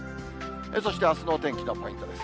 そしてあすのお天気のポイントです。